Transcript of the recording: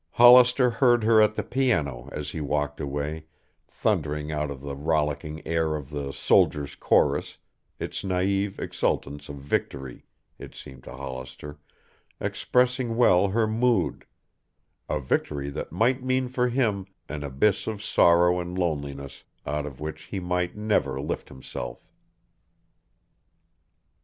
Hollister heard her at the piano as he walked away, thundering out the rollicking air of the "Soldier's Chorus", its naive exultance of victory, it seemed to Hollister, expressing well her mood, a victory that might mean for him an abyss of sorrow and loneliness out of which he might never lift himself.